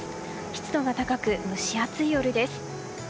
湿度が高く蒸し暑い夜です。